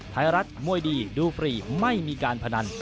ไทยรัฐมวยดีดูฟรีไม่มีการพนัน